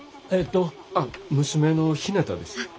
あっ娘のひなたです。